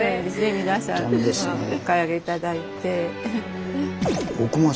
皆さんお買い上げ頂いて。